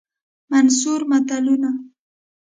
منثور متلونه